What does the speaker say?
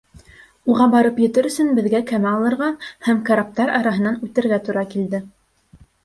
Уға барып етер өсөн беҙгә кәмә алырға һәм караптар араһынан үтергә тура килде.